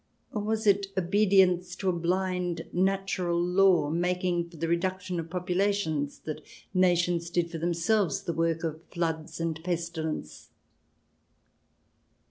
Or was it in obedience to a blind natural law, making for the reduction of populations, that nations did for themselves the work of floods and pestilence